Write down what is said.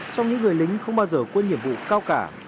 song những người lính không bao giờ quên nhiệm vụ cao cả